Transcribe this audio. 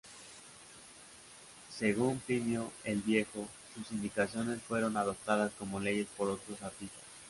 Según Plinio el viejo, sus indicaciones fueron adoptadas como leyes por otros artistas.